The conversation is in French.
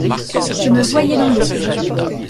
je me voyais dans l'eau.